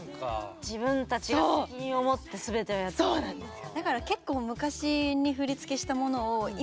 そうなんですよ。